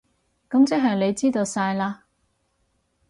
噉即係你知道晒喇？